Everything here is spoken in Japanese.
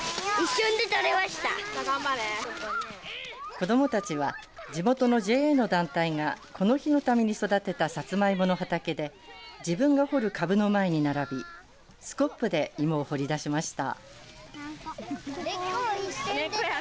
子どもたちは地元のＪＡの団体がこの日のために育てたサツマイモの畑で自分が掘る株の前に並びスコップで芋を掘り出しました。